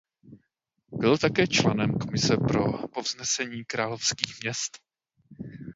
Byl také členem komise pro povznesení královských měst.